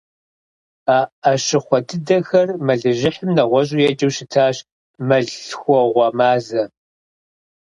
А Ӏэщыхъуэ дыдэхэр мэлыжьыхьым нэгъуэщӀу еджэу щытащ - мэллъхуэгъуэ мазэ.